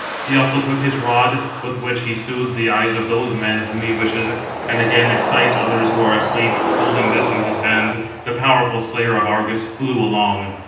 He also took his rod, with which he soothes the eyes of those men whom he wishes, and again excites others who are asleep; holding this in his hands, the powerful slayer of Argus flew along.